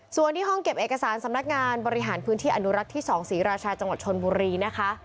ส่วนที่ห้องเก็บเอกสารสำนักงานบริหารพื้นที่อนุรักษ์ที่๒ศรีราชาจังหวัดชนบุรีนะคะ